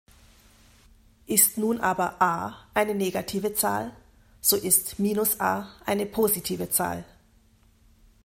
Ist nun aber "a" eine negative Zahl, so ist "−a" eine positive Zahl.